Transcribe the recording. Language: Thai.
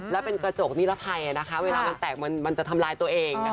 แล้วเป็นกระจกนิรภัยนะคะเวลามันแตกมันจะทำลายตัวเอง